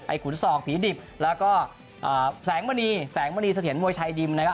ขุนศอกผีดิบแล้วก็แสงมณีแสงมณีเสถียรมวยชายดิมนะครับ